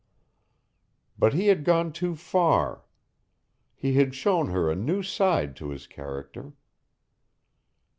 But he had gone too far. He had shown her a new side to his character.